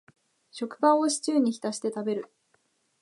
食パンをシチューに浸して食べる